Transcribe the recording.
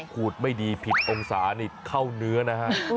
ขูดไม่ดีผิดองศานี่เข้าเนื้อนะฮะ